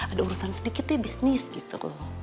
ada urusan sedikit deh bisnis gitu